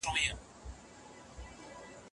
هغه یوازې د کابل تخت غوښت.